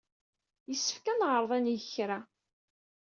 Yessefk ad neɛreḍ ad neg kra.